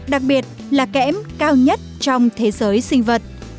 đặc biệt là kẽm cao nhất trong thế giới sinh vật